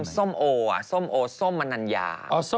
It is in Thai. ส้มโอส้มมะนันยา